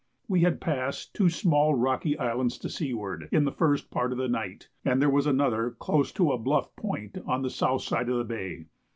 We had passed two small rocky islands to seaward in the first part of the night, and there was another close to a bluff point on the south side of the bay.